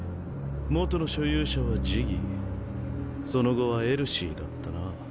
元の所有者はジギーその後はエルシーだったな。